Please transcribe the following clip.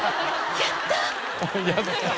「やったー！」。